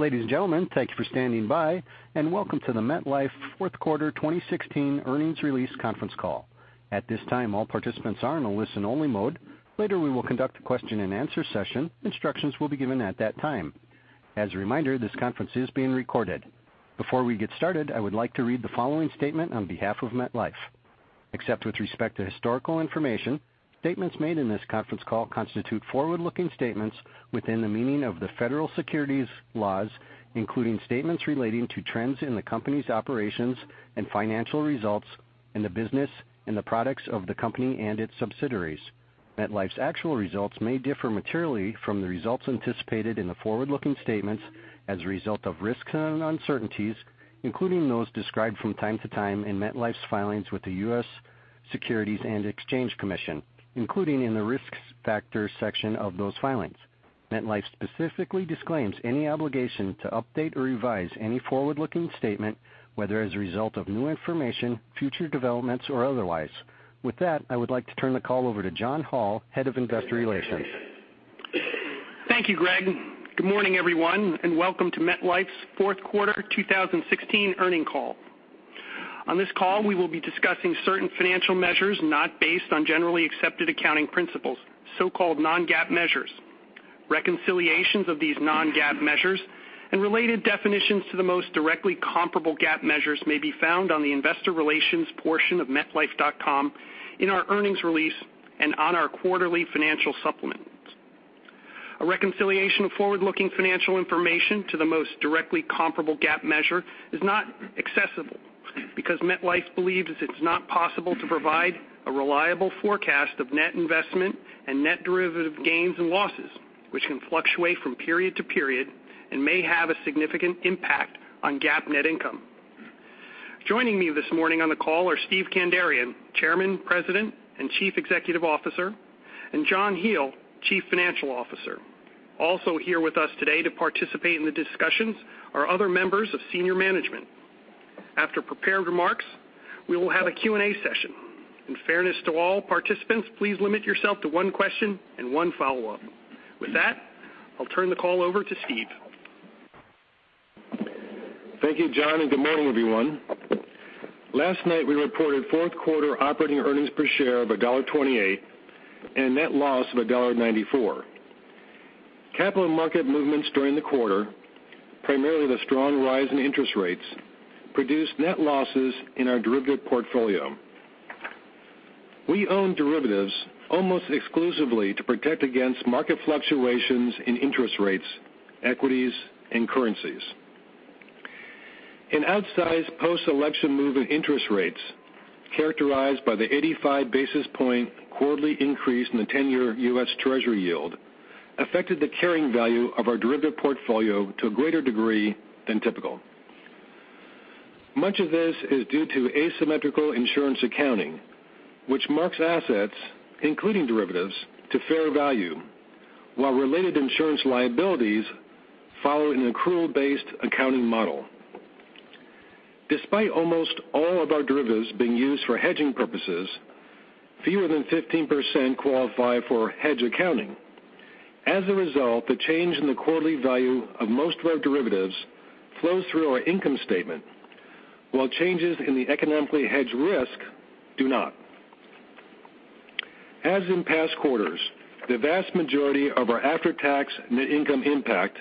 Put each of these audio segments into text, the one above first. Ladies and gentlemen, thank you for standing by, and welcome to the MetLife Fourth Quarter 2016 Earnings Release Conference Call. At this time, all participants are in a listen only mode. Later, we will conduct a question and answer session. Instructions will be given at that time. As a reminder, this conference is being recorded. Before we get started, I would like to read the following statement on behalf of MetLife. Except with respect to historical information, statements made in this conference call constitute forward-looking statements within the meaning of the federal securities laws, including statements relating to trends in the company's operations and financial results, and the business and the products of the company and its subsidiaries. MetLife's actual results may differ materially from the results anticipated in the forward-looking statements as a result of risks and uncertainties, including those described from time to time in MetLife's filings with the U.S. Securities and Exchange Commission, including in the Risk Factors section of those filings. MetLife specifically disclaims any obligation to update or revise any forward-looking statement, whether as a result of new information, future developments, or otherwise. With that, I would like to turn the call over to John Hall, Head of Investor Relations. Thank you, Greg. Good morning, everyone, and welcome to MetLife's fourth quarter 2016 earnings call. On this call, we will be discussing certain financial measures not based on Generally Accepted Accounting Principles, so-called non-GAAP measures. Reconciliations of these non-GAAP measures and related definitions to the most directly comparable GAAP measures may be found on the investor relations portion of metlife.com in our earnings release and on our quarterly financial supplements. A reconciliation of forward-looking financial information to the most directly comparable GAAP measure is not accessible because MetLife believes it's not possible to provide a reliable forecast of net investment and net derivative gains and losses, which can fluctuate from period to period and may have a significant impact on GAAP net income. Joining me this morning on the call are Steve Kandarian, Chairman, President, and Chief Executive Officer, and John Hele, Chief Financial Officer. Also here with us today to participate in the discussions are other members of senior management. After prepared remarks, we will have a Q&A session. In fairness to all participants, please limit yourself to one question and one follow-up. With that, I'll turn the call over to Steve. Thank you, John, and good morning, everyone. Last night, we reported fourth quarter operating earnings per share of $1.28 and a net loss of $1.94. Capital market movements during the quarter, primarily the strong rise in interest rates, produced net losses in our derivative portfolio. We own derivatives almost exclusively to protect against market fluctuations in interest rates, equities, and currencies. An outsized post-election move in interest rates, characterized by the 85 basis point quarterly increase in the 10-year U.S. Treasury yield, affected the carrying value of our derivative portfolio to a greater degree than typical. Much of this is due to asymmetrical insurance accounting, which marks assets, including derivatives, to fair value, while related insurance liabilities follow an accrual-based accounting model. Despite almost all of our derivatives being used for hedging purposes, fewer than 15% qualify for hedge accounting. A result, the change in the quarterly value of most of our derivatives flows through our income statement, while changes in the economically hedged risk do not. As in past quarters, the vast majority of our after-tax net income impact,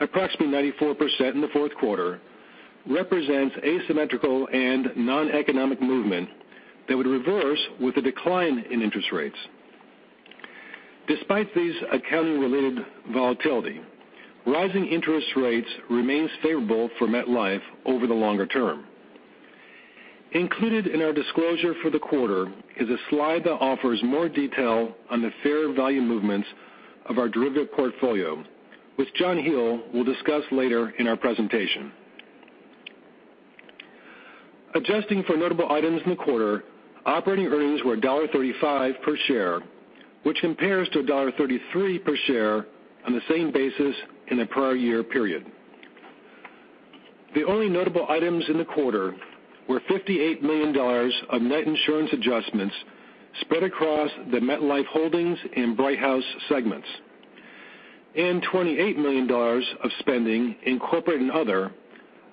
approximately 94% in the fourth quarter, represents asymmetrical and non-economic movement that would reverse with a decline in interest rates. Despite these accounting related volatility, rising interest rates remains favorable for MetLife over the longer term. Included in our disclosure for the quarter is a slide that offers more detail on the fair value movements of our derivative portfolio, which John Hele will discuss later in our presentation. Adjusting for notable items in the quarter, operating earnings were $1.35 per share, which compares to $1.33 per share on the same basis in the prior year period. The only notable items in the quarter were $58 million of net insurance adjustments spread across the MetLife Holdings and Brighthouse segments, and $28 million of spending in corporate and other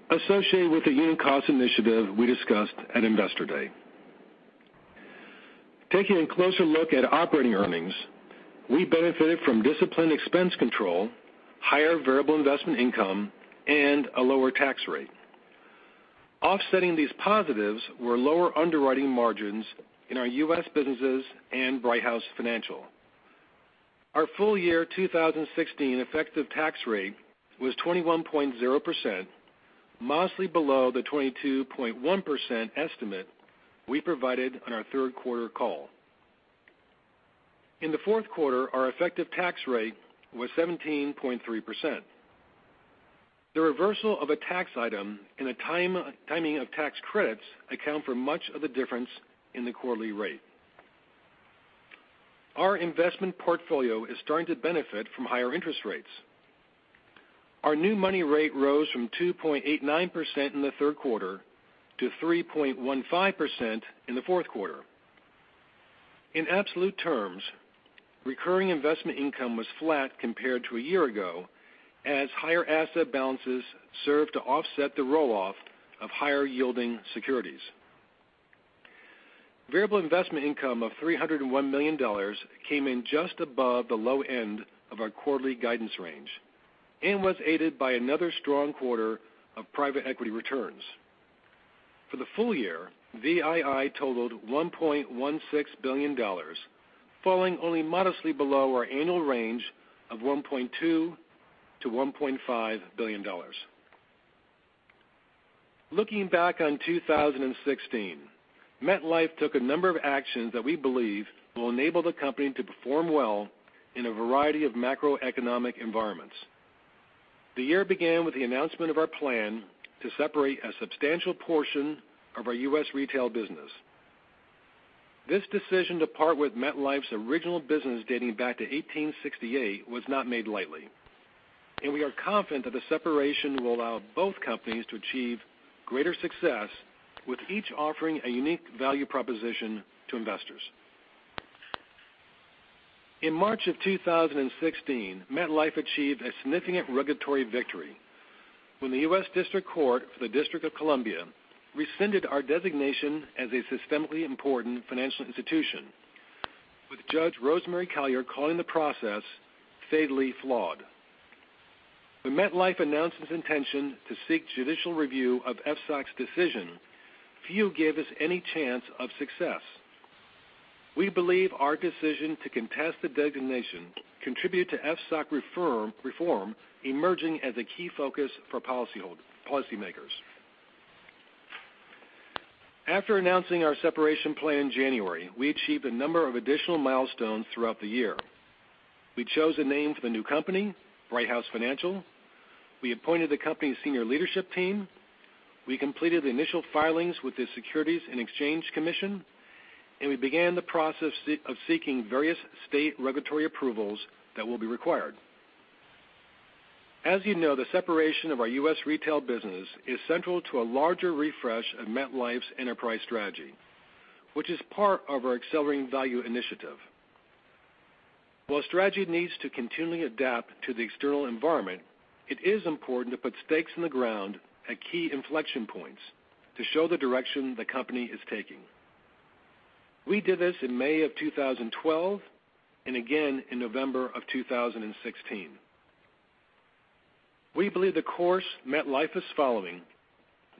associated with the unit cost initiative we discussed at Investor Day. Taking a closer look at operating earnings, we benefited from disciplined expense control, higher variable investment income, and a lower tax rate. Offsetting these positives were lower underwriting margins in our U.S. businesses and Brighthouse Financial. Our full year 2016 effective tax rate was 21.0%, mostly below the 22.1% estimate we provided on our third quarter call. In the fourth quarter, our effective tax rate was 17.3%. The reversal of a tax item and a timing of tax credits account for much of the difference in the quarterly rate. Our investment portfolio is starting to benefit from higher interest rates. Our new money rate rose from 2.89% in the third quarter to 3.15% in the fourth quarter. In absolute terms, recurring investment income was flat compared to a year ago, as higher asset balances served to offset the roll-off of higher yielding securities. Variable investment income of $301 million came in just above the low end of our quarterly guidance range and was aided by another strong quarter of private equity returns. For the full year, VII totaled $1.16 billion, falling only modestly below our annual range of $1.2 billion-$1.5 billion. Looking back on 2016, MetLife took a number of actions that we believe will enable the company to perform well in a variety of macroeconomic environments. The year began with the announcement of our plan to separate a substantial portion of our U.S. retail business. This decision to part with MetLife's original business dating back to 1868 was not made lightly, and we are confident that the separation will allow both companies to achieve greater success, with each offering a unique value proposition to investors. In March of 2016, MetLife achieved a significant regulatory victory when the U.S. District Court for the District of Columbia rescinded our designation as a systemically important financial institution, with Judge Rosemary Collyer calling the process fatally flawed. When MetLife announced its intention to seek judicial review of FSOC's decision, few gave us any chance of success. We believe our decision to contest the designation contributed to FSOC reform emerging as a key focus for policymakers. After announcing our separation plan in January, we achieved a number of additional milestones throughout the year. We chose a name for the new company, Brighthouse Financial. We appointed the company's senior leadership team. We completed the initial filings with the Securities and Exchange Commission, and we began the process of seeking various state regulatory approvals that will be required. As you know, the separation of our U.S. retail business is central to a larger refresh of MetLife's enterprise strategy, which is part of our Accelerating Value Initiative. While strategy needs to continually adapt to the external environment, it is important to put stakes in the ground at key inflection points to show the direction the company is taking. We did this in May of 2012 and again in November of 2016. We believe the course MetLife is following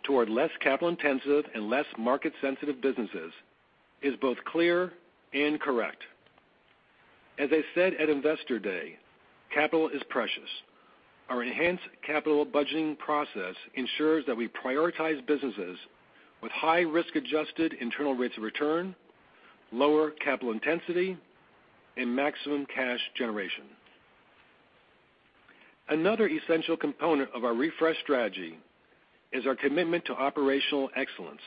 toward less capital intensive and less market sensitive businesses is both clear and correct. As I said at Investor Day, capital is precious. Our enhanced capital budgeting process ensures that we prioritize businesses with high risk-adjusted internal rates of return, lower capital intensity, and maximum cash generation. Another essential component of our refresh strategy is our commitment to operational excellence.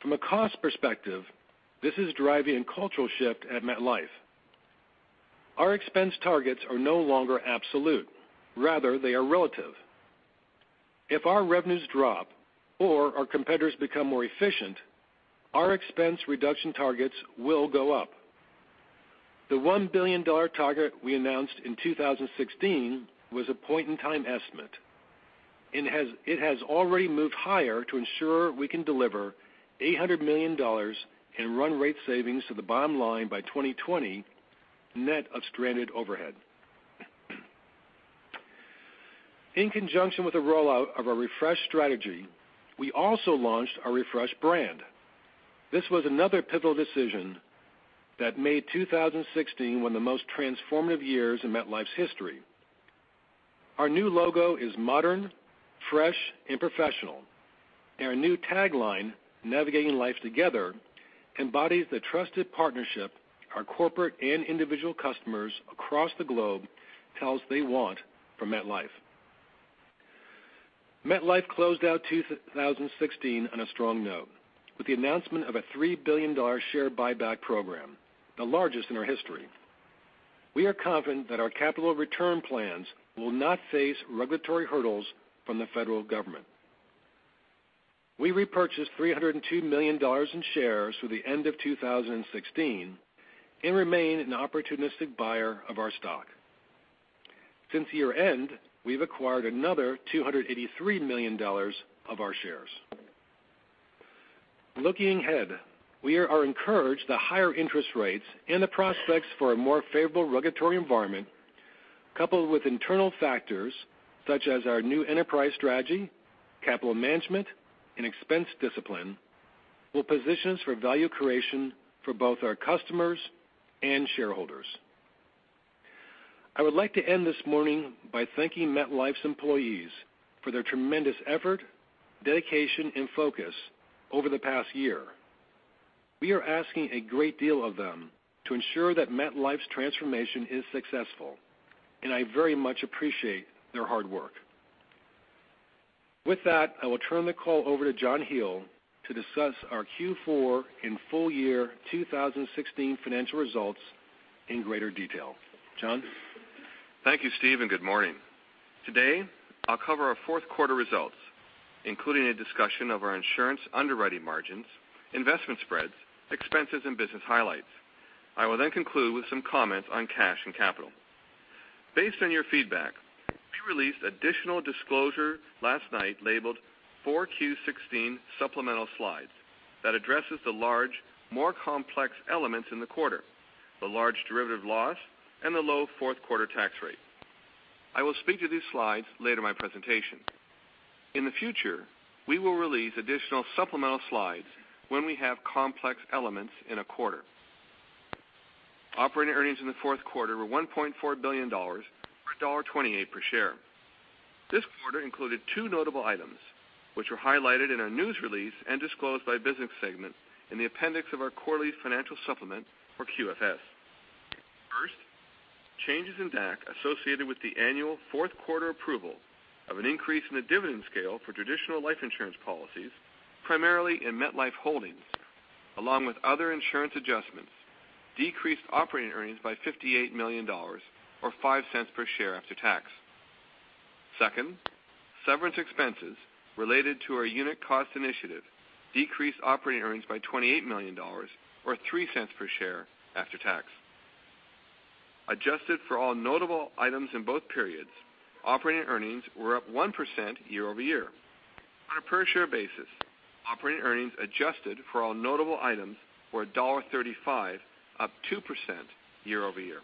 From a cost perspective, this is driving a cultural shift at MetLife. Our expense targets are no longer absolute; rather, they are relative. If our revenues drop or our competitors become more efficient, our expense reduction targets will go up. The $1 billion target we announced in 2016 was a point-in-time estimate, and it has already moved higher to ensure we can deliver $800 million in run rate savings to the bottom line by 2020, net of stranded overhead. In conjunction with the rollout of our refresh strategy, we also launched our refresh brand. This was another pivotal decision that made 2016 one of the most transformative years in MetLife's history. Our new logo is modern, fresh, and professional, and our new tagline, Navigating Life Together, embodies the trusted partnership our corporate and individual customers across the globe tell us they want from MetLife. MetLife closed out 2016 on a strong note with the announcement of a $3 billion share buyback program, the largest in our history. We are confident that our capital return plans will not face regulatory hurdles from the federal government. We repurchased $302 million in shares through the end of 2016 and remain an opportunistic buyer of our stock. Since year-end, we've acquired another $283 million of our shares. Looking ahead, we are encouraged that higher interest rates and the prospects for a more favorable regulatory environment, coupled with internal factors such as our new enterprise strategy, capital management, and expense discipline, will position us for value creation for both our customers and shareholders. I would like to end this morning by thanking MetLife's employees for their tremendous effort, dedication, and focus over the past year. We are asking a great deal of them to ensure that MetLife's transformation is successful, and I very much appreciate their hard work. With that, I will turn the call over to John Hele to discuss our Q4 and full year 2016 financial results in greater detail. John? Thank you, Steve, and good morning. Today, I'll cover our fourth quarter results, including a discussion of our insurance underwriting margins, investment spreads, expenses and business highlights. I will then conclude with some comments on cash and capital. Based on your feedback, we released additional disclosure last night labeled 4Q 2016 supplemental slides that addresses the large, more complex elements in the quarter, the large derivative loss and the low fourth quarter tax rate. I will speak to these slides later in my presentation. In the future, we will release additional supplemental slides when we have complex elements in a quarter. Operating earnings in the fourth quarter were $1.4 billion, or $1.28 per share. This quarter included two notable items, which were highlighted in our news release and disclosed by business segments in the appendix of our quarterly financial supplement, or QFS. First, changes in DAC associated with the annual fourth quarter approval of an increase in the dividend scale for traditional life insurance policies, primarily in MetLife Holdings, along with other insurance adjustments, decreased operating earnings by $58 million, or $0.05 per share after tax. Second, severance expenses related to our unit cost initiative decreased operating earnings by $28 million, or $0.03 per share after tax. Adjusted for all notable items in both periods, operating earnings were up 1% year-over-year. On a per share basis, operating earnings adjusted for all notable items were $1.35, up 2% year-over-year.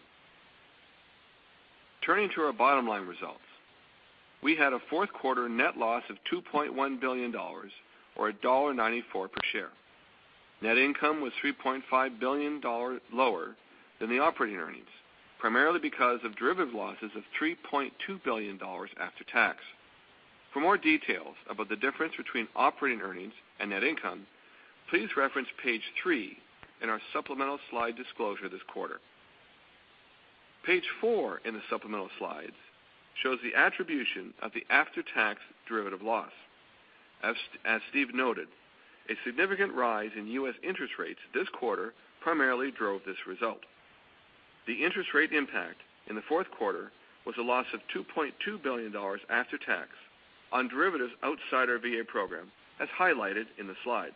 Turning to our bottom line results, we had a fourth quarter net loss of $2.1 billion, or $1.94 per share. Net income was $3.5 billion lower than the operating earnings, primarily because of derivative losses of $3.2 billion after tax. For more details about the difference between operating earnings and net income, please reference page three in our supplemental slide disclosure this quarter. Page four in the supplemental slides shows the attribution of the after-tax derivative loss. As Steve noted, a significant rise in U.S. interest rates this quarter primarily drove this result. The interest rate impact in the fourth quarter was a loss of $2.2 billion after tax on derivatives outside our VA program, as highlighted in the slide.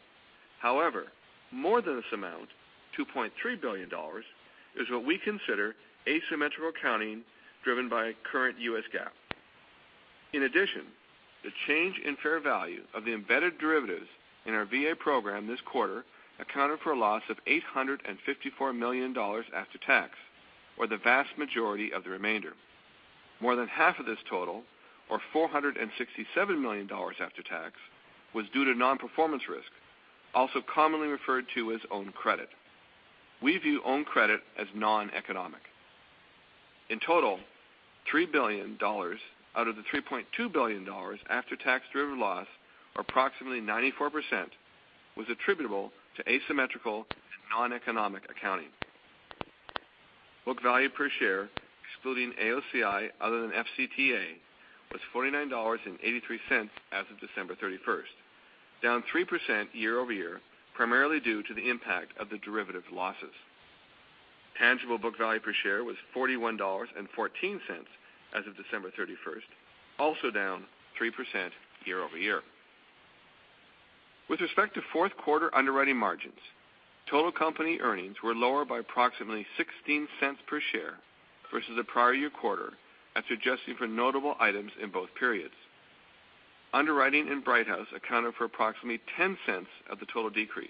However, more than this amount, $2.3 billion, is what we consider asymmetrical accounting driven by current U.S. GAAP. In addition, the change in fair value of the embedded derivatives in our VA program this quarter accounted for a loss of $854 million after tax, or the vast majority of the remainder. More than half of this total, or $467 million after tax, was due to non-performance risk, also commonly referred to as own credit. We view own credit as non-economic. In total, $3 billion out of the $3.2 billion after tax derivative loss, or approximately 94%, was attributable to asymmetrical and non-economic accounting. Book value per share, excluding AOCI other than FCTA, was $49.83 as of December 31st, down 3% year-over-year, primarily due to the impact of the derivative losses. Tangible book value per share was $41.14 as of December 31st, also down 3% year-over-year. With respect to fourth quarter underwriting margins, total company earnings were lower by approximately $0.16 per share versus the prior year quarter after adjusting for notable items in both periods. Underwriting in Brighthouse accounted for approximately $0.10 of the total decrease,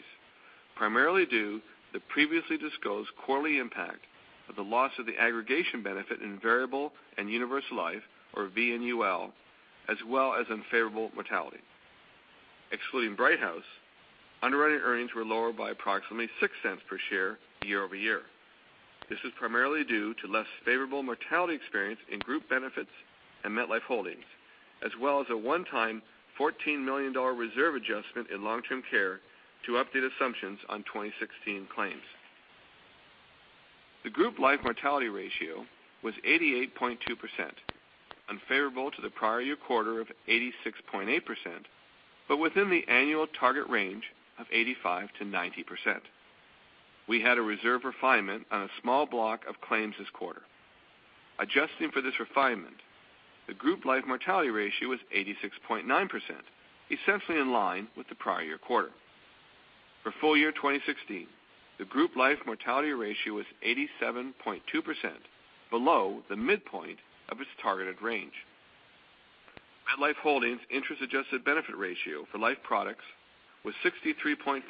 primarily due to the previously disclosed quarterly impact of the loss of the aggregation benefit in Variable and Universal Life, or VUL, as well as unfavorable mortality. Excluding Brighthouse, underwriting earnings were lower by approximately $0.06 per share year-over-year. This was primarily due to less favorable mortality experience in Group Benefits and MetLife Holdings, as well as a one-time $14 million reserve adjustment in long-term care to update assumptions on 2016 claims. The Group Life mortality ratio was 88.2%, unfavorable to the prior year quarter of 86.8%, but within the annual target range of 85%-90%. We had a reserve refinement on a small block of claims this quarter. Adjusting for this refinement, the Group Life mortality ratio was 86.9%, essentially in line with the prior year quarter. For full year 2016, the Group Life mortality ratio was 87.2%, below the midpoint of its targeted range. MetLife Holdings' interest adjusted benefit ratio for Life products was 63.5%,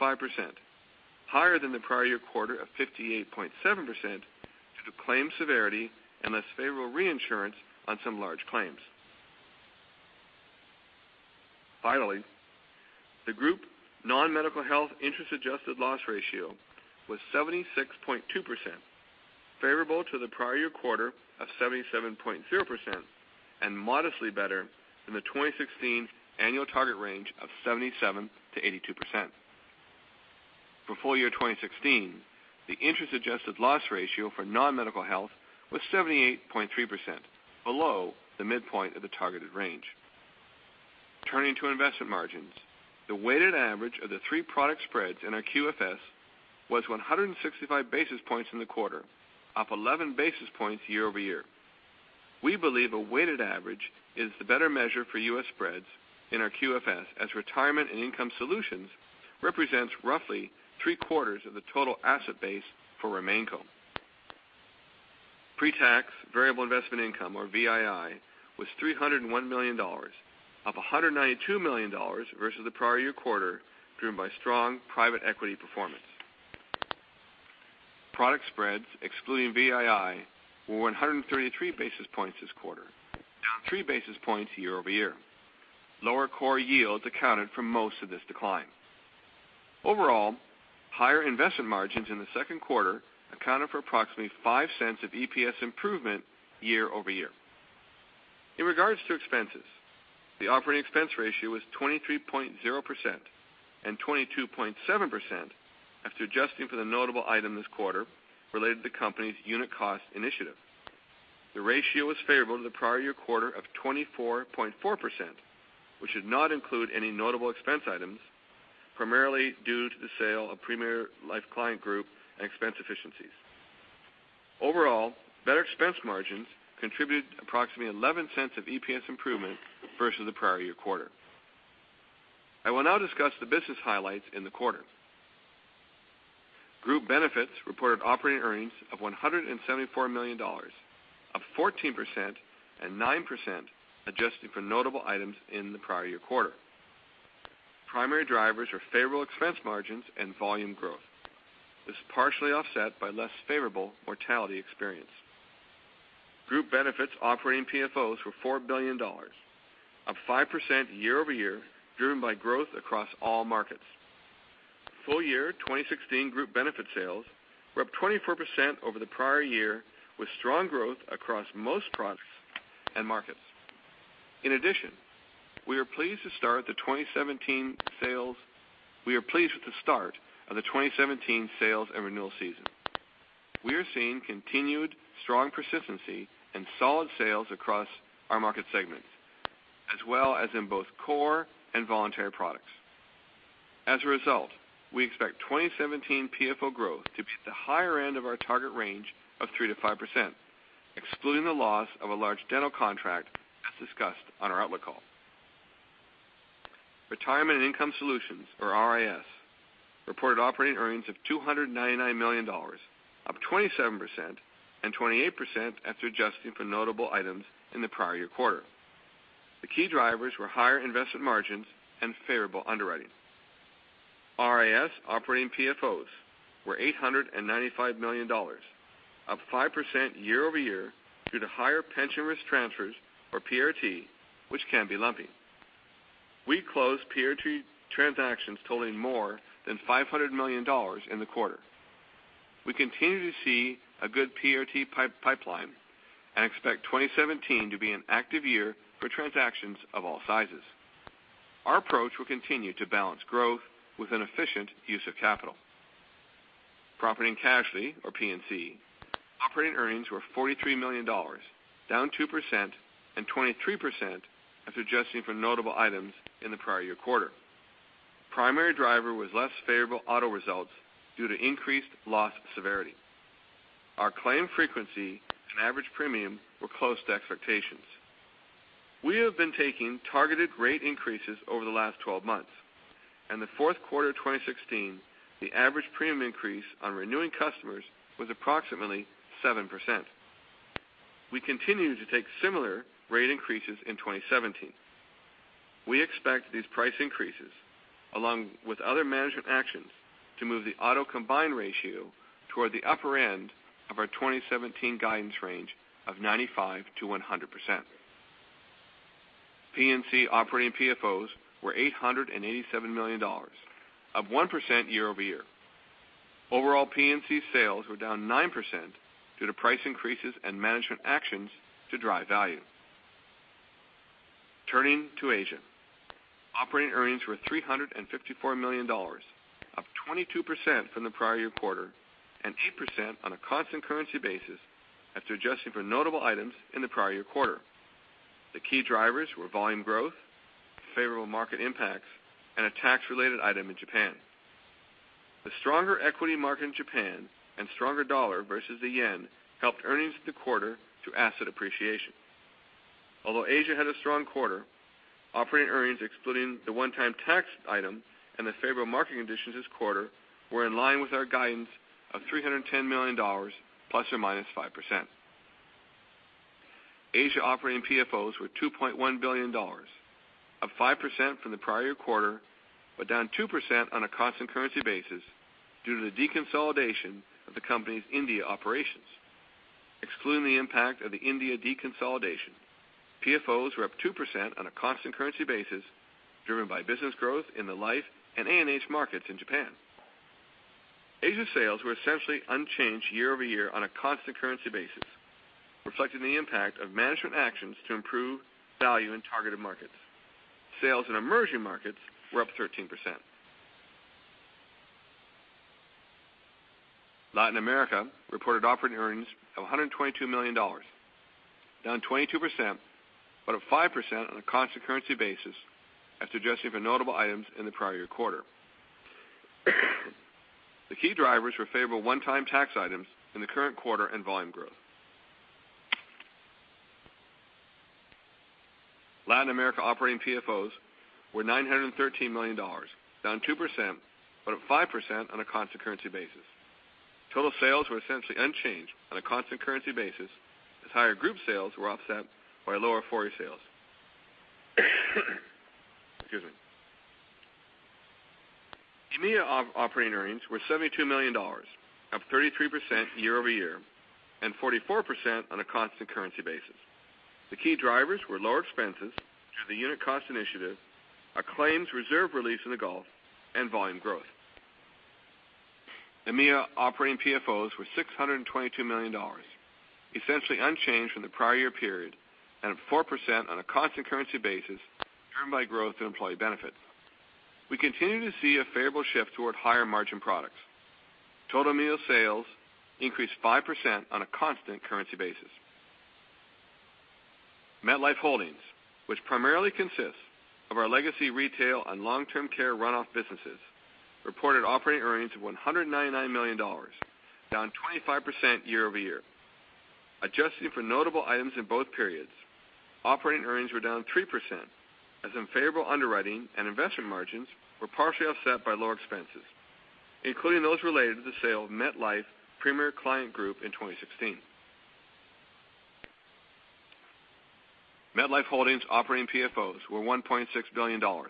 higher than the prior year quarter of 58.7% due to claim severity and less favorable reinsurance on some large claims. Finally, the group non-medical health interest adjusted loss ratio was 76.2%, favorable to the prior year quarter of 77.0%, and modestly better than the 2016 annual target range of 77%-82%. For full year 2016, the interest adjusted loss ratio for non-medical health was 78.3%, below the midpoint of the targeted range. Turning to investment margins, the weighted average of the three product spreads in our QFS was 165 basis points in the quarter, up 11 basis points year-over-year. We believe a weighted average is the better measure for U.S. spreads in our QFS, as Retirement and Income Solutions represents roughly three-quarters of the total asset base for RemainCo. Pre-tax variable investment income or VII, was $301 million, up $192 million versus the prior year quarter, driven by strong private equity performance. Product spreads excluding VII, were 133 basis points this quarter, down three basis points year-over-year. Lower core yields accounted for most of this decline. Overall, higher investment margins in the second quarter accounted for approximately $0.05 of EPS improvement year-over-year. In regards to expenses, the operating expense ratio was 23.0% and 22.7% after adjusting for the notable item this quarter related to the company's unit cost initiative. The ratio was favorable to the prior year quarter of 24.4%, which did not include any notable expense items, primarily due to the sale of Premier Life Client Group and expense efficiencies. Overall, better expense margins contributed approximately $0.11 of EPS improvement versus the prior year quarter. I will now discuss the business highlights in the quarter. Group Benefits reported operating earnings of $174 million, up 14% and 9% adjusted for notable items in the prior year quarter. Primary drivers were favorable expense margins and volume growth. This was partially offset by less favorable mortality experience. Group Benefits operating PFOs were $4 billion, up 5% year-over-year, driven by growth across all markets. Full year 2016 Group Benefits sales were up 24% over the prior year, with strong growth across most products and markets. In addition, we are pleased with the start of the 2017 sales and renewal season. We are seeing continued strong persistency and solid sales across our market segments, as well as in both core and voluntary products. As a result, we expect 2017 PFO growth to be at the higher end of our target range of 3%-5%, excluding the loss of a large dental contract, as discussed on our outlook call. Retirement and Income Solutions, or RIS, reported operating earnings of $299 million, up 27% and 28% after adjusting for notable items in the prior year quarter. The key drivers were higher investment margins and favorable underwriting. RIS operating PFOs were $895 million, up 5% year-over-year due to higher pension risk transfers or PRT, which can be lumpy. We closed PRT transactions totaling more than $500 million in the quarter. We continue to see a good PRT pipeline and expect 2017 to be an active year for transactions of all sizes. Our approach will continue to balance growth with an efficient use of capital. Property and Casualty or P&C operating earnings were $43 million, down 2% and 23% after adjusting for notable items in the prior year quarter. Primary driver was less favorable auto results due to increased loss severity. Our claim frequency and average premium were close to expectations. We have been taking targeted rate increases over the last 12 months, and the fourth quarter 2016, the average premium increase on renewing customers was approximately 7%. We continue to take similar rate increases in 2017. We expect these price increases, along with other management actions, to move the auto combined ratio toward the upper end of our 2017 guidance range of 95%-100%. P&C operating PFOs were $887 million, up 1% year-over-year. Overall P&C sales were down 9% due to price increases and management actions to drive value. Turning to Asia. Operating earnings were $354 million, up 22% from the prior year quarter and 8% on a constant currency basis after adjusting for notable items in the prior year quarter. The key drivers were volume growth, favorable market impacts, and a tax-related item in Japan. The stronger equity market in Japan and stronger dollar versus the yen helped earnings in the quarter to asset appreciation. Although Asia had a strong quarter, operating earnings excluding the one-time tax item and the favorable market conditions this quarter were in line with our guidance of $310 million ±5%. Asia operating PFOs were $2.1 billion, up 5% from the prior year quarter, but down 2% on a constant currency basis due to the deconsolidation of the company's India operations. Excluding the impact of the India deconsolidation, PFOs were up 2% on a constant currency basis, driven by business growth in the life and A&H markets in Japan. Asia sales were essentially unchanged year-over-year on a constant currency basis, reflecting the impact of management actions to improve value in targeted markets. Sales in emerging markets were up 13%. Latin America reported operating earnings of $122 million, down 22%, but up 5% on a constant currency basis after adjusting for notable items in the prior year quarter. The key drivers were favorable one-time tax items in the current quarter and volume growth. Latin America operating PFOs were $913 million, down 2%, but up 5% on a constant currency basis. Total sales were essentially unchanged on a constant currency basis, as higher Group sales were offset by lower Afore sales. Excuse me. EMEA operating earnings were $72 million, up 33% year-over-year and 44% on a constant currency basis. The key drivers were lower expenses through the unit cost initiative, a claims reserve release in the Gulf, and volume growth. EMEA operating PFOs were $622 million, essentially unchanged from the prior year period, and up 4% on a constant currency basis, driven by growth in employee benefits. We continue to see a favorable shift toward higher margin products. Total EMEA sales increased 5% on a constant currency basis. MetLife Holdings, which primarily consists of our legacy retail and long-term care runoff businesses, reported operating earnings of $199 million, down 25% year-over-year. Adjusting for notable items in both periods, operating earnings were down 3%, as unfavorable underwriting and investment margins were partially offset by lower expenses, including those related to the sale of MetLife Premier Client Group in 2016. MetLife Holdings operating PFOs were $1.6 billion, down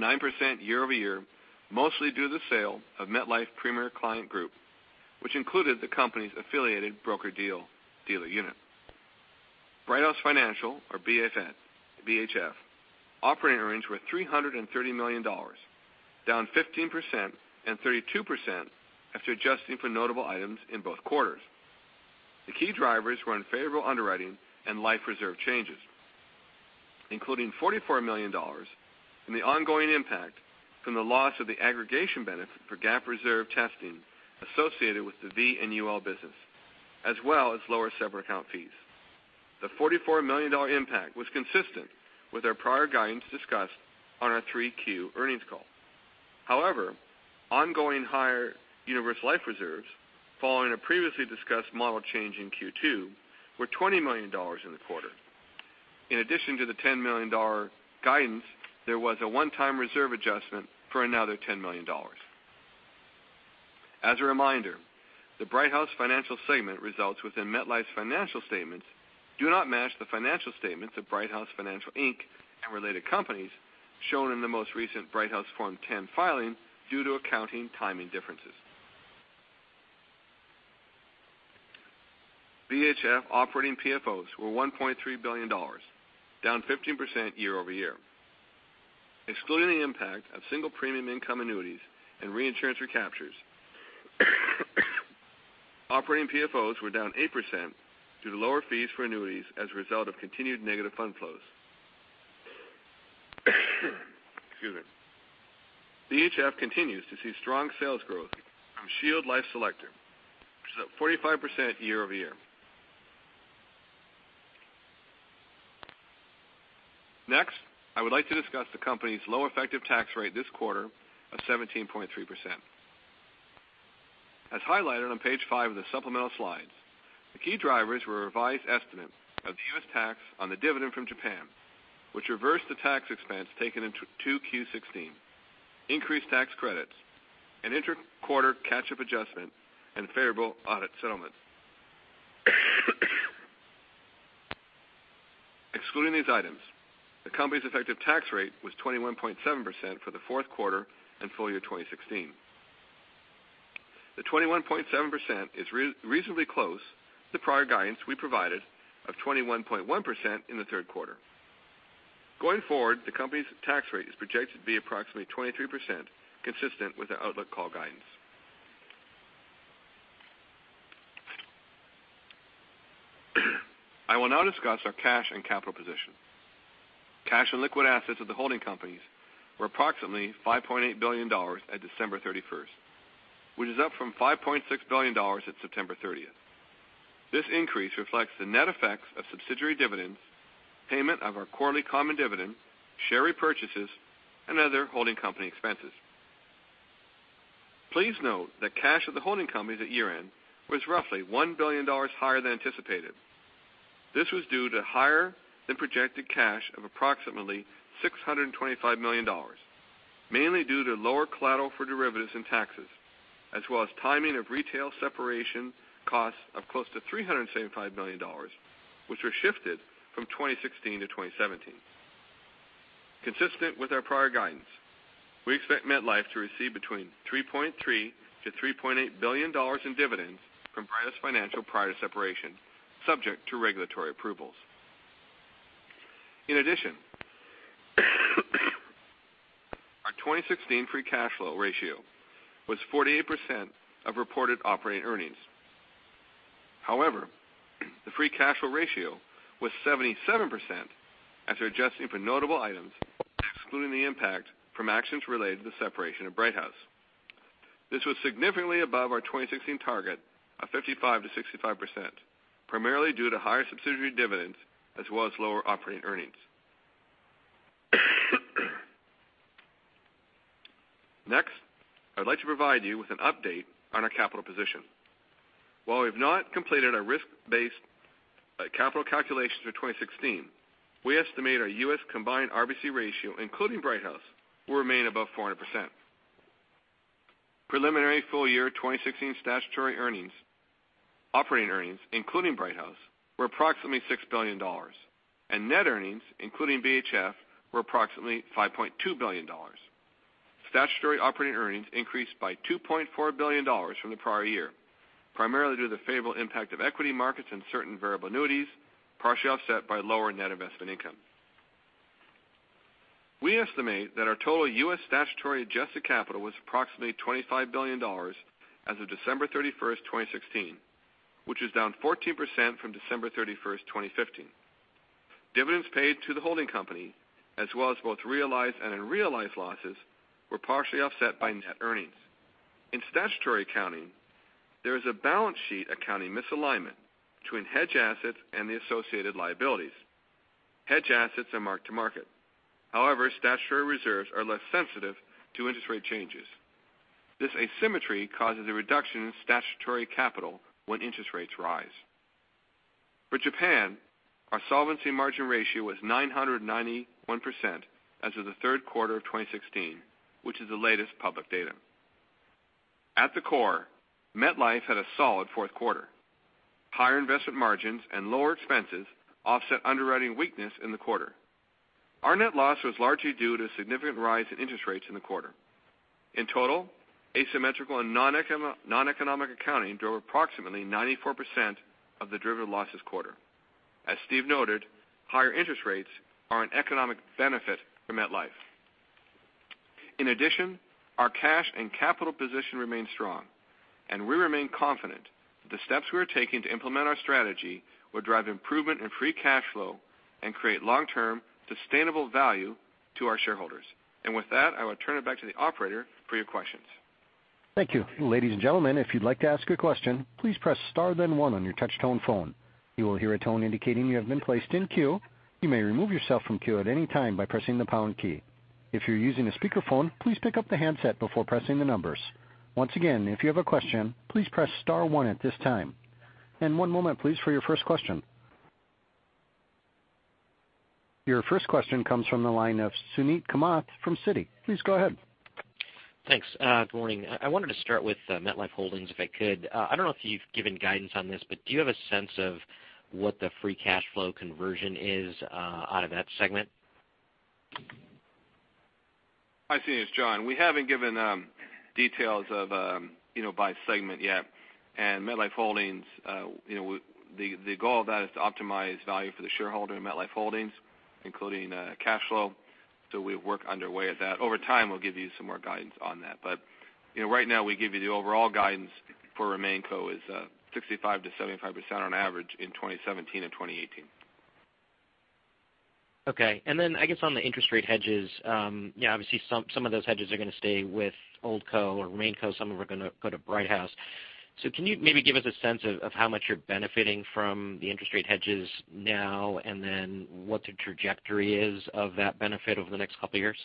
9% year-over-year, mostly due to the sale of MetLife Premier Client Group, which included the company's affiliated broker-dealer unit. Brighthouse Financial, or BHF. Operating earnings were $330 million, down 15% and 32% after adjusting for notable items in both quarters. The key drivers were unfavorable underwriting and life reserve changes, including $44 million in the ongoing impact from the loss of the aggregation benefit for GAAP reserve testing associated with the VA and UL business, as well as lower separate account fees. The $44 million impact was consistent with our prior guidance discussed on our 3Q earnings call. However, ongoing higher universal life reserves following a previously discussed model change in Q2 were $20 million in the quarter. In addition to the $10 million guidance, there was a one-time reserve adjustment for another $10 million. As a reminder, the Brighthouse Financial segment results within MetLife's financial statements do not match the financial statements of Brighthouse Financial, Inc. and related companies shown in the most recent Brighthouse Form 10 filing due to accounting timing differences. BHF operating PFOs were $1.3 billion, down 15% year-over-year. Excluding the impact of single premium income annuities and reinsurance recaptures, operating PFOs were down 8% due to lower fees for annuities as a result of continued negative fund flows. Excuse me. BHF continues to see strong sales growth from Shield Level Selector, which is up 45% year-over-year. Next, I would like to discuss the company's low effective tax rate this quarter of 17.3%. As highlighted on page five of the supplemental slides, the key drivers were a revised estimate of U.S. tax on the dividend from Japan, which reversed the tax expense taken in 2Q 2016, increased tax credits, an intra-quarter catch-up adjustment, and favorable audit settlements. Excluding these items, the company's effective tax rate was 21.7% for the fourth quarter and full year 2016. The 21.7% is reasonably close to the prior guidance we provided of 21.1% in the third quarter. Going forward, the company's tax rate is projected to be approximately 23%, consistent with our outlook call guidance. I will now discuss our cash and capital position. Cash and liquid assets of the holding companies were approximately $5.8 billion at December 31, which is up from $5.6 billion at September 30. This increase reflects the net effects of subsidiary dividends, payment of our quarterly common dividend, share repurchases, and other holding company expenses. Please note that cash of the holding companies at year-end was roughly $1 billion higher than anticipated. This was due to higher-than-projected cash of approximately $625 million, mainly due to lower collateral for derivatives and taxes, as well as timing of retail separation costs of close to $375 million, which were shifted from 2016 to 2017. Consistent with our prior guidance, we expect MetLife to receive between $3.3 billion-$3.8 billion in dividends from Brighthouse Financial prior to separation, subject to regulatory approvals. In addition, our 2016 free cash flow ratio was 48% of reported operating earnings. However, the free cash flow ratio was 77% after adjusting for notable items, excluding the impact from actions related to the separation of Brighthouse. This was significantly above our 2016 target of 55%-65%, primarily due to higher subsidiary dividends as well as lower operating earnings. Next, I'd like to provide you with an update on our capital position. While we've not completed our risk-based capital calculations for 2016, we estimate our U.S. combined RBC ratio, including Brighthouse, will remain above 400%. Preliminary full year 2016 statutory earnings, operating earnings, including Brighthouse, were approximately $6 billion, and net earnings, including BHF, were approximately $5.2 billion. Statutory operating earnings increased by $2.4 billion from the prior year, primarily due to the favorable impact of equity markets and certain variable annuities, partially offset by lower net investment income. We estimate that our total U.S. statutory adjusted capital was approximately $25 billion as of December 31, 2016, which is down 14% from December 31, 2015. Dividends paid to the holding company, as well as both realized and unrealized losses, were partially offset by net earnings. In statutory accounting, there is a balance sheet accounting misalignment between hedge assets and the associated liabilities. Hedge assets are marked to market. However, statutory reserves are less sensitive to interest rate changes. This asymmetry causes a reduction in statutory capital when interest rates rise. For Japan, our solvency margin ratio was 991% as of the third quarter of 2016, which is the latest public data. At the core, MetLife had a solid fourth quarter. Higher investment margins and lower expenses offset underwriting weakness in the quarter. Our net loss was largely due to significant rise in interest rates in the quarter. In total, asymmetrical and non-economic accounting drove approximately 94% of the derivative losses quarter. As Steve noted, higher interest rates are an economic benefit for MetLife. In addition, our cash and capital position remains strong, and we remain confident that the steps we are taking to implement our strategy will drive improvement in free cash flow and create long-term sustainable value to our shareholders. With that, I will turn it back to the operator for your questions. Thank you. Ladies and gentlemen, if you'd like to ask a question, please press star then one on your touch tone phone. You will hear a tone indicating you have been placed in queue. You may remove yourself from queue at any time by pressing the pound key. If you're using a speakerphone, please pick up the handset before pressing the numbers. Once again, if you have a question, please press star one at this time. One moment, please, for your first question. Your first question comes from the line of Suneet Kamath from Citi. Please go ahead. Thanks. Good morning. I wanted to start with MetLife Holdings, if I could. I don't know if you've given guidance on this, but do you have a sense of what the free cash flow conversion is out of that segment? Hi, Suneet. It's John. We haven't given details by segment yet. MetLife Holdings, the goal of that is to optimize value for the shareholder in MetLife Holdings, including cash flow. We have work underway at that. Over time, we'll give you some more guidance on that. Right now we give you the overall guidance for RemainCo is 65%-75% on average in 2017 and 2018. Okay. I guess on the interest rate hedges, obviously some of those hedges are going to stay with OldCo or RemainCo, some of them are going to go to Brighthouse. Can you maybe give us a sense of how much you're benefiting from the interest rate hedges now and then what the trajectory is of that benefit over the next couple of years?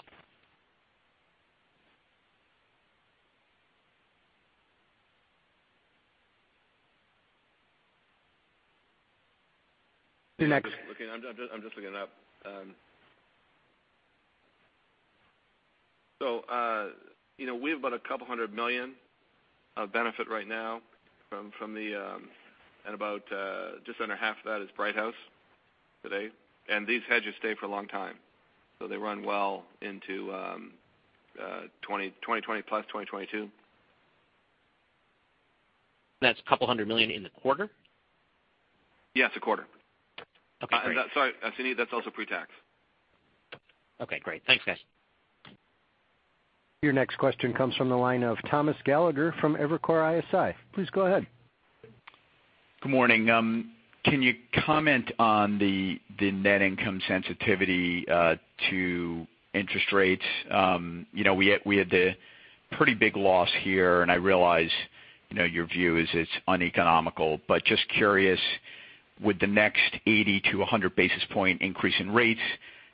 Suneet- I'm just looking it up. We have about a couple hundred million of benefit right now from the, and about just under half of that is Brighthouse today. These hedges stay for a long time. They run well into 2020 plus 2022. That's a couple hundred million in the quarter? Yes, a quarter. Okay, great. Sorry, Suneet, that's also pre-tax. Okay, great. Thanks, guys. Your next question comes from the line of Thomas Gallagher from Evercore ISI. Please go ahead. Good morning. Can you comment on the net income sensitivity to interest rates? We had the pretty big loss here, and I realize your view is it's uneconomical, but just curious, would the next 80 to 100 basis point increase in rates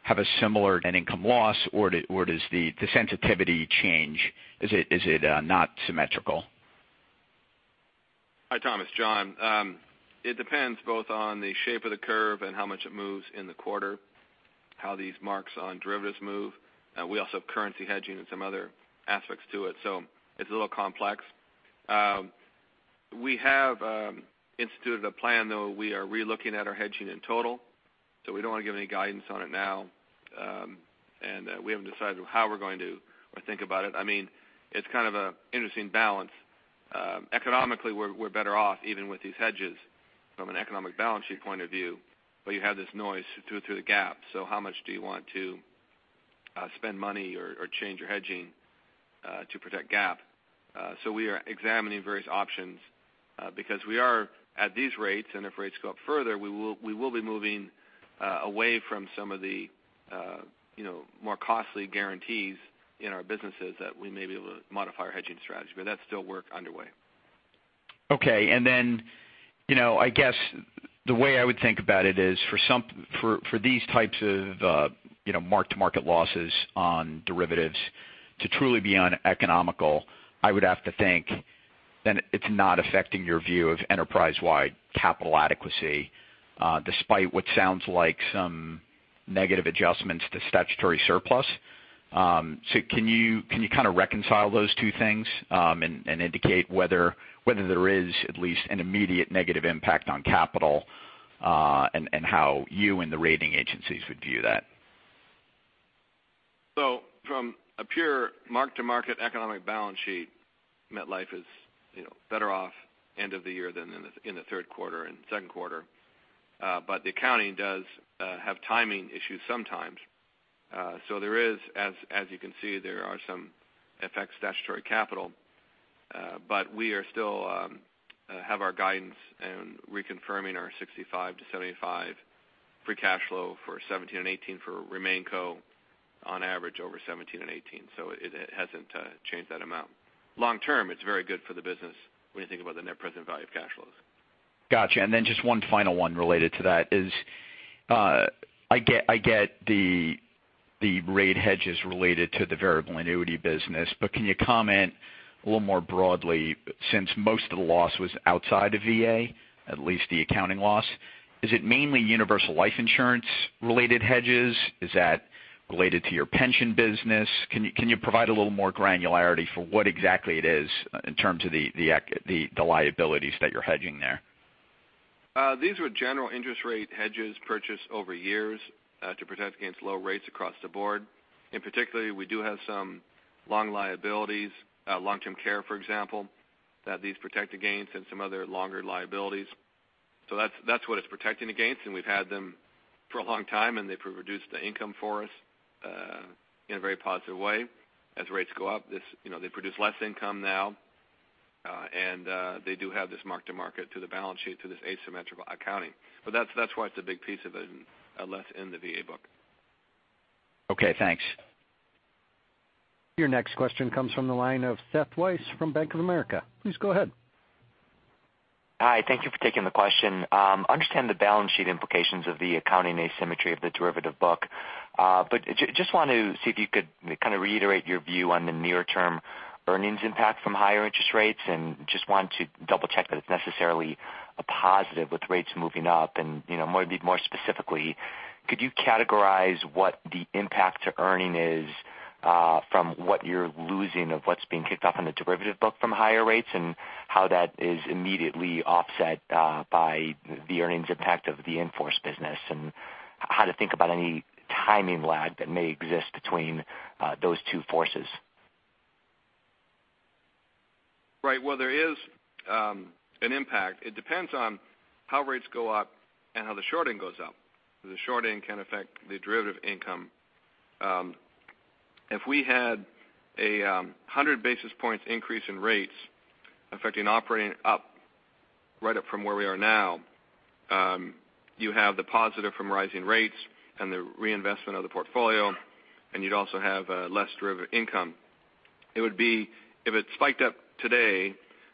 have a similar net income loss, or does the sensitivity change? Is it not symmetrical? Hi, Thomas. John. It depends both on the shape of the curve and how much it moves in the quarter, how these marks on derivatives move. We also have currency hedging and some other aspects to it. It's a little complex. We have instituted a plan, though. We are re-looking at our hedging in total, so we don't want to give any guidance on it now. We haven't decided how we're going to or think about it. It's kind of an interesting balance. Economically, we're better off even with these hedges from an economic balance sheet point of view, but you have this noise through the GAAP. How much do you want to spend money or change your hedging to protect GAAP. We are examining various options because we are at these rates, and if rates go up further, we will be moving away from some of the more costly guarantees in our businesses that we may be able to modify our hedging strategy. That's still work underway. Okay. I guess the way I would think about it is for these types of mark-to-market losses on derivatives to truly be uneconomical, I would have to think then it's not affecting your view of enterprise-wide capital adequacy, despite what sounds like some negative adjustments to statutory surplus. Can you kind of reconcile those two things and indicate whether there is at least an immediate negative impact on capital, and how you and the rating agencies would view that? From a pure mark-to-market economic balance sheet, MetLife is better off end of the year than in the third quarter and second quarter. The accounting does have timing issues sometimes. There is, as you can see, there are some effects statutory capital, but we still have our guidance and reconfirming our $65-$75 free cash flow for 2017 and 2018 for RemainCo on average over 2017 and 2018. It hasn't changed that amount. Long term, it's very good for the business when you think about the net present value of cash flows. Got you. Then just one final one related to that is, I get the rate hedges related to the VA business, can you comment a little more broadly, since most of the loss was outside of VA, at least the accounting loss, is it mainly universal life insurance related hedges? Is that related to your pension business? Can you provide a little more granularity for what exactly it is in terms of the liabilities that you're hedging there? These were general interest rate hedges purchased over years to protect against low rates across the board. In particular, we do have some long liabilities, long-term care, for example, that these protect against and some other longer liabilities. That's what it's protecting against, we've had them for a long time, they've reduced the income for us in a very positive way. As rates go up, they produce less income now, they do have this mark-to-market to the balance sheet through this asymmetrical accounting. That's why it's a big piece of it and less in the VA book. Okay, thanks. Your next question comes from the line of Seth Weiss from Bank of America. Please go ahead. Hi. Thank you for taking the question. I understand the balance sheet implications of the accounting asymmetry of the derivative book. Just want to see if you could kind of reiterate your view on the near-term earnings impact from higher interest rates and just want to double check that it's necessarily a positive with rates moving up and more specifically, could you categorize what the impact to earnings is from what you're losing of what's being kicked off on the derivative book from higher rates and how that is immediately offset by the earnings impact of the in-force business and how to think about any timing lag that may exist between those two forces. Well, there is an impact. It depends on how rates go up and how the shorting goes up. The shorting can affect the derivative income. If we had a 100 basis points increase in rates affecting operating up right up from where we are now, you have the positive from rising rates and the reinvestment of the portfolio, and you'd also have less derivative income. If it spiked up today,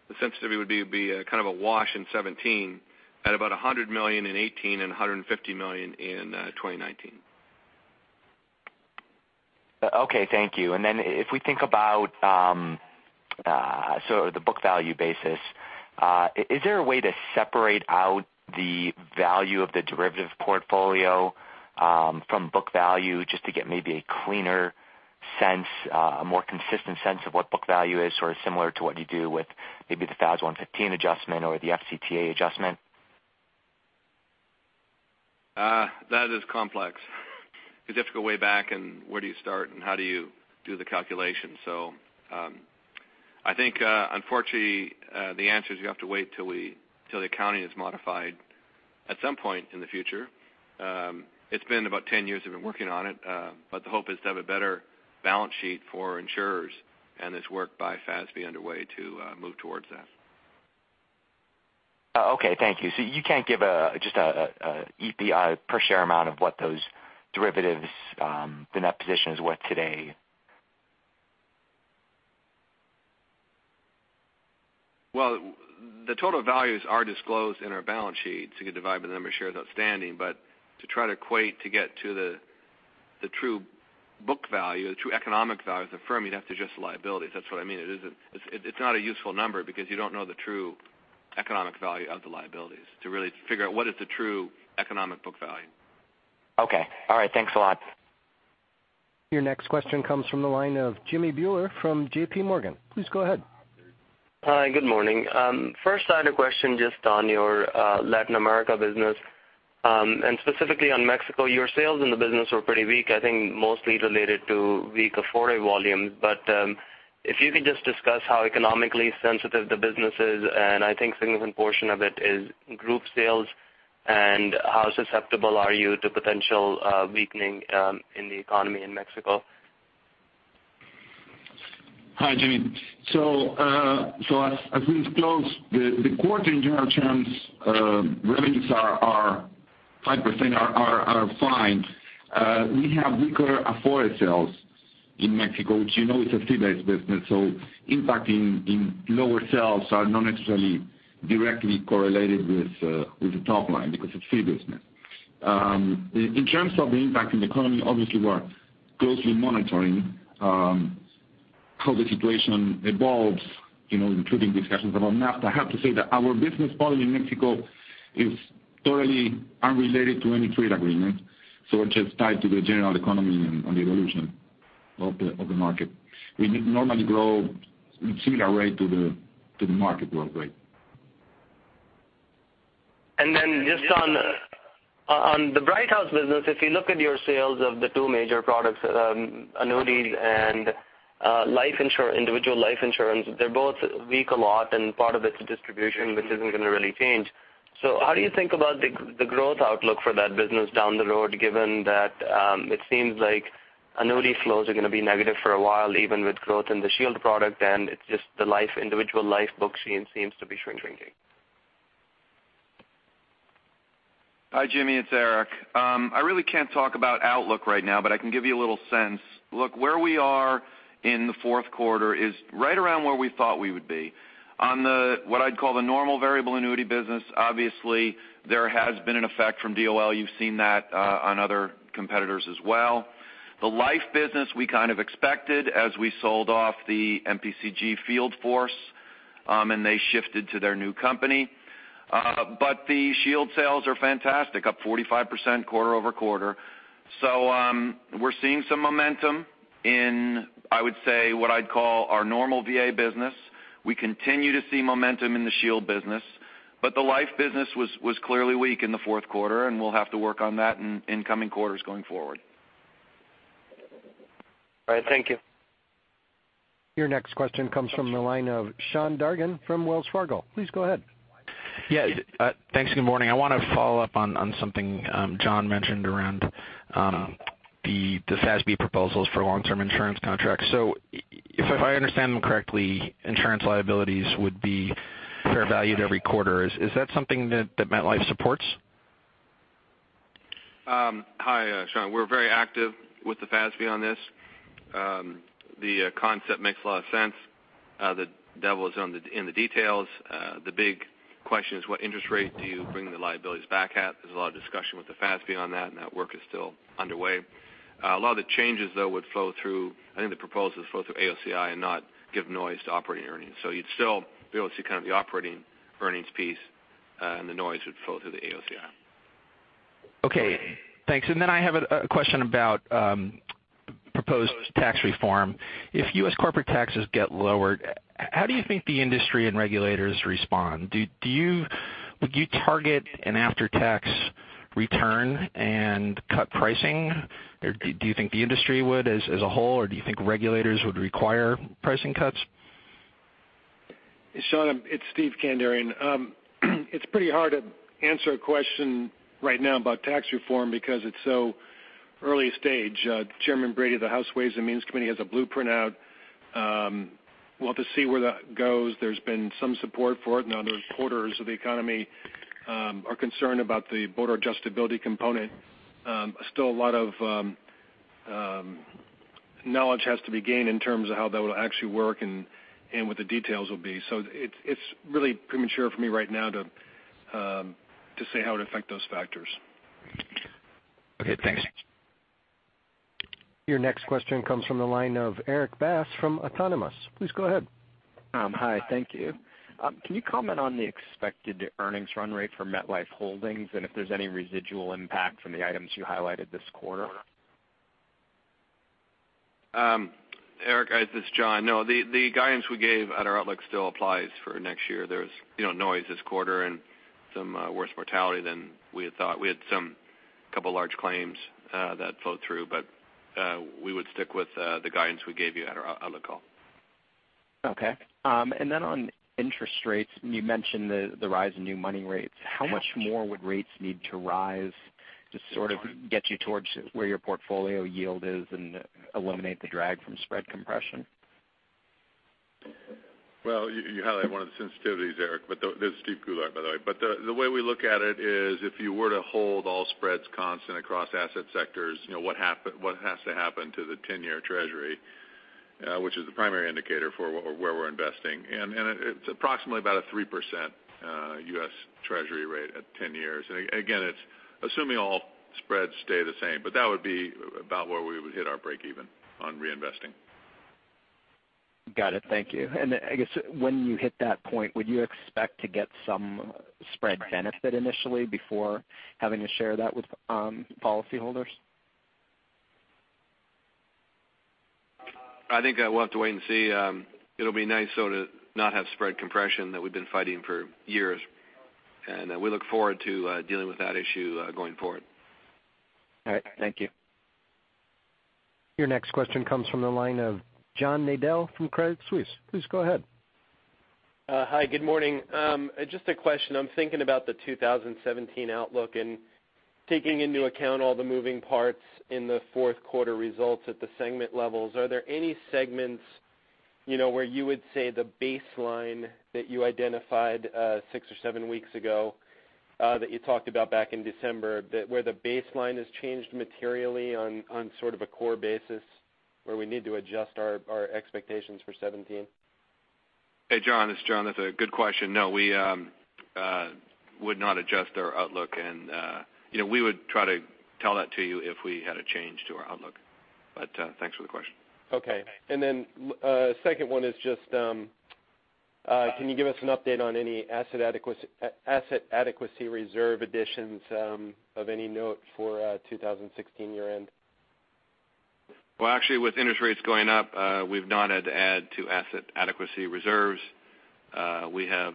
the sensitivity would be kind of a wash in 2017 at about $100 million in 2018 and $150 million in 2019. Okay, thank you. Then if we think about the book value basis, is there a way to separate out the value of the derivative portfolio from book value just to get maybe a cleaner sense, a more consistent sense of what book value is, sort of similar to what you do with maybe the FAS 115 adjustment or the FCTA adjustment? That is complex. You have to go way back and where do you start and how do you do the calculation? I think unfortunately, the answer is you have to wait till the accounting is modified at some point in the future. It's been about 10 years we've been working on it, the hope is to have a better balance sheet for insurers and this work by FASB underway to move towards that. Okay, thank you. You can't give just an EPS per share amount of what those derivatives, the net position is what today? Well, the total values are disclosed in our balance sheet, you can divide by the number of shares outstanding. To try to equate to get to the true book value, the true economic value of the firm, you'd have to adjust the liabilities. That's what I mean. It's not a useful number because you don't know the true economic value of the liabilities to really figure out what is the true economic book value. Okay. All right. Thanks a lot. Your next question comes from the line of Jimmy Bhullar from JPMorgan. Please go ahead. Hi, good morning. First I had a question just on your Latin America business, and specifically on Mexico. Your sales in the business were pretty weak, I think mostly related to weak Afore volumes. If you could just discuss how economically sensitive the business is, I think significant portion of it is group sales. How susceptible are you to potential weakening in the economy in Mexico? Hi, Jimmy. As we've closed the quarter, in general terms, revenues are 5%, fine. We have weaker Afore sales in Mexico, which you know is a fee-based business, impacting in lower sales are not necessarily directly correlated with the top line because it's fee business. In terms of the impact in the economy, obviously we're closely monitoring how the situation evolves, including discussions about NAFTA. I have to say that our business model in Mexico is totally unrelated to any trade agreement. It's just tied to the general economy and the evolution of the market. We normally grow in similar rate to the market growth rate. Just on the Brighthouse business, if you look at your sales of the two major products, annuities and individual life insurance, they're both weak a lot and part of it's distribution, which isn't going to really change. How do you think about the growth outlook for that business down the road, given that it seems like annuity flows are going to be negative for a while even with growth in the Shield product and it's just the individual life book seems to be shrinking? Hi, Jimmy, it's Eric. I really can't talk about outlook right now, but I can give you a little sense. Look, where we are in the fourth quarter is right around where we thought we would be. What I'd call the normal variable annuity business, obviously there has been an effect from DOL. You've seen that on other competitors as well. The life business we kind of expected as we sold off the MPCG field force, and they shifted to their new company. The Shield sales are fantastic, up 45% quarter-over-quarter. We're seeing some momentum in, I would say, what I'd call our normal VA business. We continue to see momentum in the Shield business, the life business was clearly weak in the fourth quarter and we'll have to work on that in incoming quarters going forward. All right. Thank you. Your next question comes from the line of Sean Dargan from Wells Fargo. Please go ahead. Yeah. Thanks, good morning. I want to follow up on something John mentioned around the FASB proposals for long-term insurance contracts. If I understand them correctly, insurance liabilities would be fair valued every quarter. Is that something that MetLife supports? Hi, Sean. We're very active with the FASB on this. The concept makes a lot of sense. The devil is in the details. The big question is what interest rate do you bring the liabilities back at? There's a lot of discussion with the FASB on that, and that work is still underway. A lot of the changes, though, would flow through, I think the proposals flow through AOCI and not give noise to operating earnings. You'd still be able to see kind of the operating earnings piece, and the noise would flow through the AOCI. Okay, thanks. I have a question about proposed tax reform. If U.S. corporate taxes get lowered, how do you think the industry and regulators respond? Would you target an after-tax return and cut pricing, or do you think the industry would as a whole, or do you think regulators would require pricing cuts? Sean, it's Steve Kandarian. It's pretty hard to answer a question right now about tax reform because it's so early stage. Chairman Brady of the House Ways and Means Committee has a blueprint out. We'll have to see where that goes. There's been some support for it. Now the reporters of the economy are concerned about the border adjustability component. Still a lot of knowledge has to be gained in terms of how that will actually work and what the details will be. It's really premature for me right now to say how it would affect those factors. Okay, thanks. Your next question comes from the line of Erik Bass from Autonomous. Please go ahead. Hi, thank you. Can you comment on the expected earnings run rate for MetLife Holdings and if there's any residual impact from the items you highlighted this quarter? Erik, this is John. The guidance we gave at our outlook still applies for next year. There was noise this quarter and some worse mortality than we had thought. We had two large claims that flowed through, but we would stick with the guidance we gave you at our outlook call. Okay. On interest rates, you mentioned the rise in new money rates. How much more would rates need to rise to sort of get you towards where your portfolio yield is and eliminate the drag from spread compression? You highlight one of the sensitivities, Erik, this is Steven Goulart by the way, the way we look at it is if you were to hold all spreads constant across asset sectors, what has to happen to the 10-year Treasury, which is the primary indicator for where we're investing. It's approximately about a 3% U.S. Treasury rate at 10 years. Again, it's assuming all spreads stay the same, that would be about where we would hit our break even on reinvesting. Got it. Thank you. I guess when you hit that point, would you expect to get some spread benefit initially before having to share that with policyholders? I think we'll have to wait and see. It'll be nice so to not have spread compression that we've been fighting for years. We look forward to dealing with that issue going forward. All right. Thank you. Your next question comes from the line of John Nadel from Credit Suisse. Please go ahead. Hi, good morning. Just a question. I am thinking about the 2017 outlook and taking into account all the moving parts in the fourth quarter results at the segment levels. Are there any segments, where you would say the baseline that you identified six or seven weeks ago that you talked about back in December, where the baseline has changed materially on sort of a core basis, where we need to adjust our expectations for 2017? Hey, John, it's John. That's a good question. No, we would not adjust our outlook and we would try to tell that to you if we had a change to our outlook. Thanks for the question. Okay. Then, second one is just, can you give us an update on any asset adequacy reserve additions of any note for 2016 year-end? Well, actually, with interest rates going up, we've not had to add to asset adequacy reserves. We have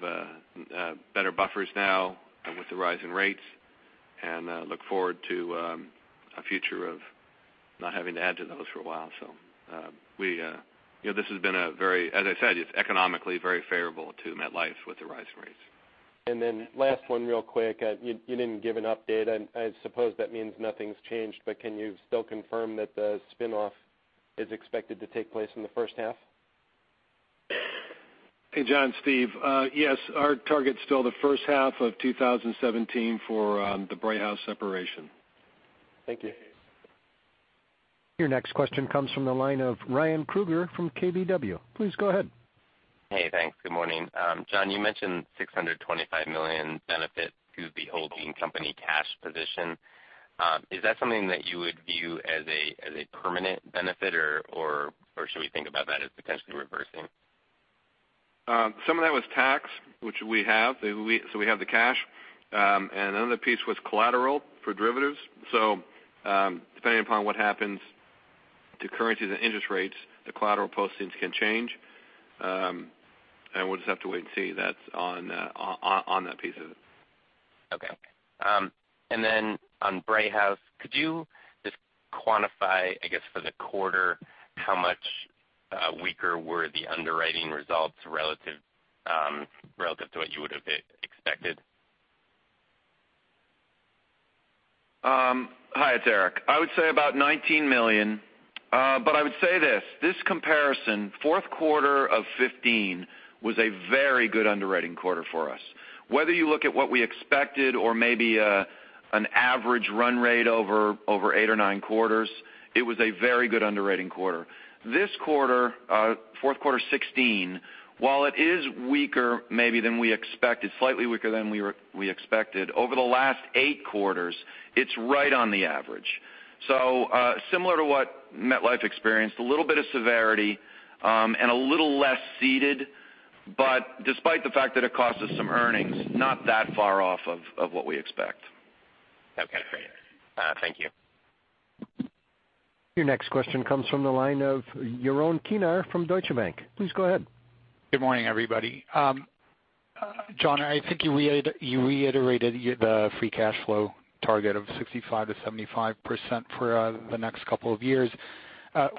better buffers now with the rise in rates, and look forward to a future of not having to add to those for a while. This has been, as I said, it's economically very favorable to MetLife with the rise in rates. Last one real quick. You didn't give an update, and I suppose that means nothing's changed, but can you still confirm that the spinoff is expected to take place in the first half? Hey, John, Steve. Yes, our target's still the first half of 2017 for the Brighthouse separation. Thank you. Your next question comes from the line of Ryan Krueger from KBW. Please go ahead. Hey, thanks. Good morning. John, you mentioned $625 million benefit to the holding company cash position. Is that something that you would view as a permanent benefit or should we think about that as potentially reversing? Some of that was tax, which we have. We have the cash. Another piece was collateral for derivatives. Depending upon what happens to currency and interest rates, the collateral postings can change. We'll just have to wait and see on that piece of it. Okay. On Brighthouse, could you just quantify, I guess, for the quarter, how much weaker were the underwriting results relative to what you would have expected? Hi, it's Eric. I would say about $19 million. I would say this comparison, fourth quarter of 2015 was a very good underwriting quarter for us. Whether you look at what we expected or maybe an average run rate over eight or nine quarters, it was a very good underwriting quarter. This quarter, fourth quarter 2016, while it is weaker maybe than we expected, slightly weaker than we expected, over the last eight quarters, it's right on the average. Similar to what MetLife experienced, a little bit of severity, and a little less ceded, but despite the fact that it cost us some earnings, not that far off of what we expect. Okay, great. Thank you. Your next question comes from the line of Kinner Lakhani from Deutsche Bank. Please go ahead. Good morning, everybody. John, I think you reiterated the free cash flow target of 65%-75% for the next couple of years.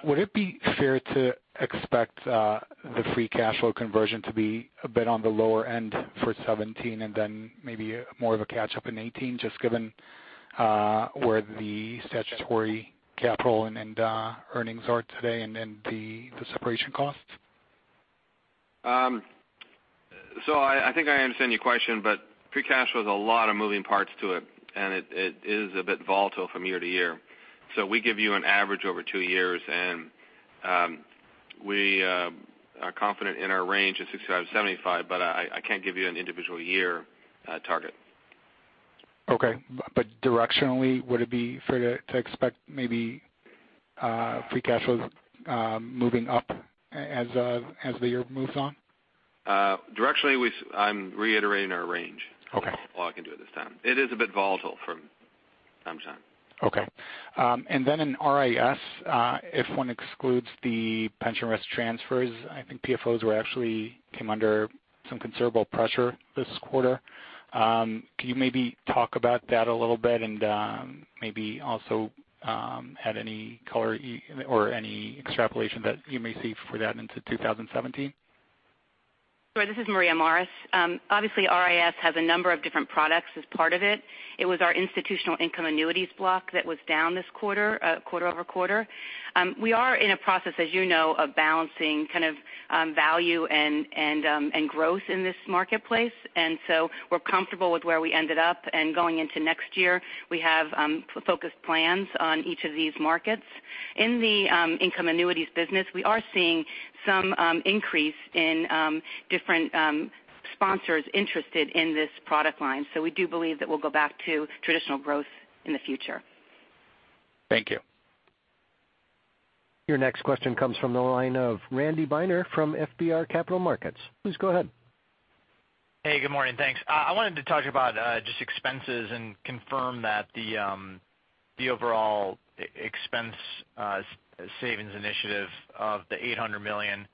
Would it be fair to expect the free cash flow conversion to be a bit on the lower end for 2017 and then maybe more of a catch-up in 2018, just given where the statutory capital and earnings are today and then the separation costs? I think I understand your question, free cash flow has a lot of moving parts to it, and it is a bit volatile from year to year. We give you an average over 2 years, and we are confident in our range of 65-75, I can't give you an individual year target. Directionally, would it be fair to expect maybe free cash flow moving up as the year moves on? Directionally, I'm reiterating our range. Okay. That's all I can do at this time. It is a bit volatile from time to time. Okay. Then in RIS, if one excludes the pension risk transfers, I think PFOs were actually came under some considerable pressure this quarter. Can you maybe talk about that a little bit and maybe also add any color or any extrapolation that you may see for that into 2017? Sure, this is Maria Morris. Obviously RIS has a number of different products as part of it. It was our institutional income annuities block that was down this quarter-over-quarter. We are in a process, as you know, of balancing kind of value and growth in this marketplace. We're comfortable with where we ended up and going into next year, we have focused plans on each of these markets. In the income annuities business, we are seeing some increase in different sponsors interested in this product line. We do believe that we'll go back to traditional growth in the future. Thank you. Your next question comes from the line of Randy Binner from FBR Capital Markets. Please go ahead. Hey, good morning. Thanks. I wanted to talk about just expenses and confirm that the overall expense savings initiative of the $800 million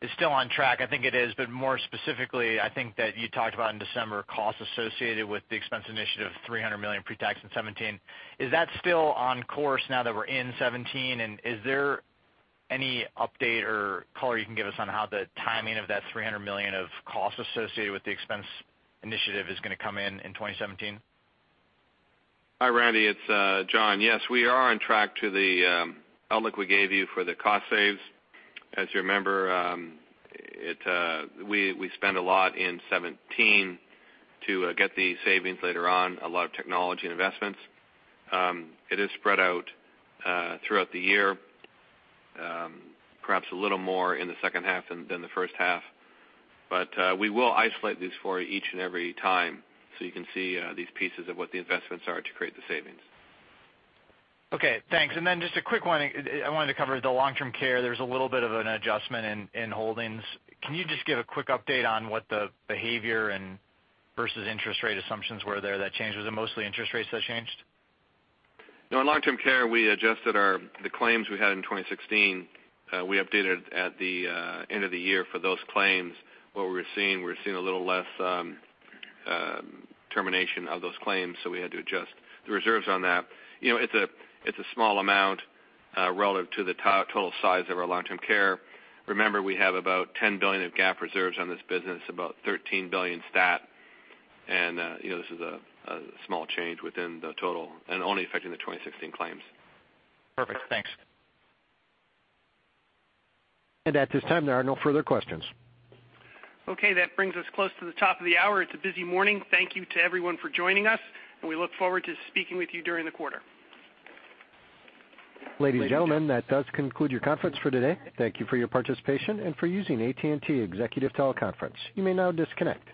is still on track. I think it is, but more specifically, I think that you talked about in December costs associated with the expense initiative, $300 million pre-tax in 2017. Is that still on course now that we're in 2017? Is there any update or color you can give us on how the timing of that $300 million of costs associated with the expense initiative is going to come in in 2017? Hi, Randy. It's John. Yes, we are on track to the outlook we gave you for the cost saves. As you remember, we spent a lot in 2017 to get the savings later on, a lot of technology and investments. It is spread out throughout the year, perhaps a little more in the second half than the first half. We will isolate these for you each and every time so you can see these pieces of what the investments are to create the savings. Okay, thanks. Just a quick one. I wanted to cover the long-term care. There's a little bit of an adjustment in holdings. Can you just give a quick update on what the behavior versus interest rate assumptions were there that changed? Was it mostly interest rates that changed? No, in long-term care, we adjusted the claims we had in 2016. We updated at the end of the year for those claims what we were seeing. We were seeing a little less termination of those claims, so we had to adjust the reserves on that. It's a small amount relative to the total size of our long-term care. Remember, we have about $10 billion of GAAP reserves on this business, about $13 billion STAT. This is a small change within the total and only affecting the 2016 claims. Perfect. Thanks. At this time, there are no further questions. That brings us close to the top of the hour. It's a busy morning. Thank you to everyone for joining us, and we look forward to speaking with you during the quarter. Ladies and gentlemen, that does conclude your conference for today. Thank you for your participation and for using AT&T Executive Teleconference. You may now disconnect.